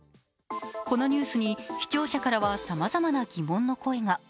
このニュースに視聴者からはさまざまな疑問の声が。